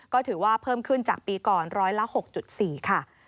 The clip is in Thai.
ก็ถือว่าเพิ่มขึ้นจากปีก่อนร้อยละ๖๔ค่ะ